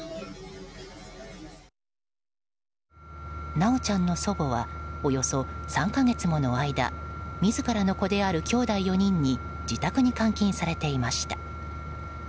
修ちゃんの祖母はおよそ３か月もの間自らの子であるきょうだい４人に自宅に監禁されていました。